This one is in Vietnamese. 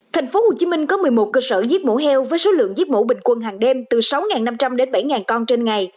tp hcm có một mươi một cơ sở giết mổ heo với số lượng giết mổ bình quân hàng đêm từ sáu năm trăm linh đến bảy con trên ngày